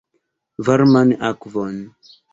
Varman akvon!